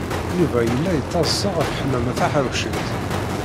Yuba yella yettaḍsa ɣef Ḥemmama Taḥawcint.